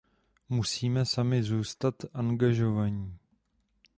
Musíme sami zůstat angažovaní.